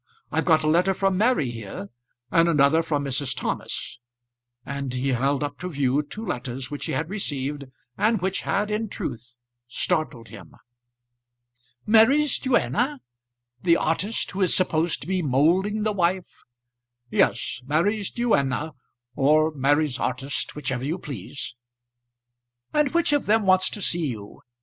I've got a letter from Mary here, and another from Mrs. Thomas;" and he held up to view two letters which he had received, and which had, in truth, startled him. "Mary's duenna; the artist who is supposed to be moulding the wife." "Yes; Mary's duenna, or Mary's artist, whichever you please." "And which of them wants to see you?